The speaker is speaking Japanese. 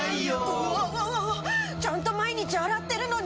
うわわわわちゃんと毎日洗ってるのに。